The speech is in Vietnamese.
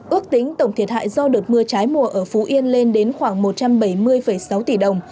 ước tính tổng thiệt hại do đợt mưa trái mùa ở phú yên lên đến khoảng một trăm bảy mươi sáu tỷ đồng